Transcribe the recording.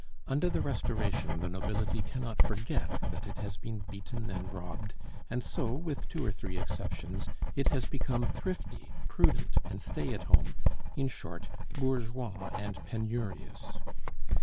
Under the Restoration the nobility cannot forget that it has been beaten and robbed, and so, with two or three exceptions, it has become thrifty, prudent, and stay at home, in short, bourgeois and penurious.